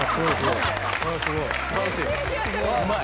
素晴らしい。